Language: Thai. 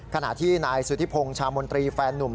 ขณะที่นายสุธิพงศ์ชามนตรีแฟนนุ่ม